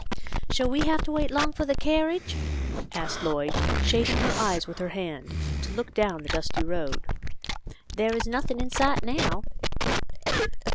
" Shall we have to wait long for the carriage ?" asked Lloyd, shading her eyes with her hand to look down the dusty road. "There is nothing in sight now."